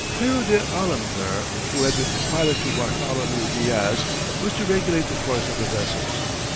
Pero de Alemquer, who had been pilot to Bartholomew Diaz, was to regulate the course of the vessels.